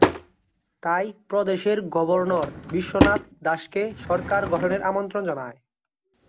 তাই প্রদেশের গভর্নর বিশ্বনাথ দাসকে সরকার গঠনের আমন্ত্রণ জানান।